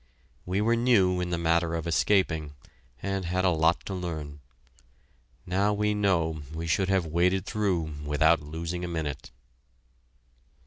We were new in the matter of escaping, and had a lot to learn. Now we know we should have waded through without losing a minute.